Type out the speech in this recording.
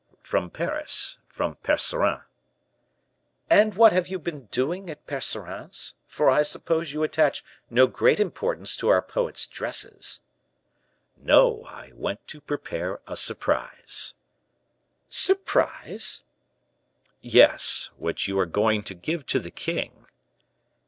"From Paris from Percerin." "And what have you been doing at Percerin's, for I suppose you attach no great importance to our poets' dresses?" "No; I went to prepare a surprise." "Surprise?" "Yes; which you are going to give to the king."